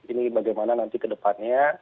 ini bagaimana nanti ke depannya